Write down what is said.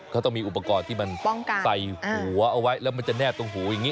เขาต้องมีอุปกรณ์ที่มันป้องกันใส่หัวเอาไว้แล้วมันจะแนบตรงหูอย่างนี้